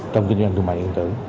trong kinh doanh thương mại điện tử